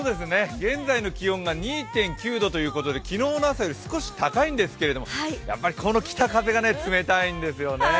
現在の気温が２．９度ということで、昨日の朝より少し高いんですけどやっぱりこの北風が冷たいんですよ。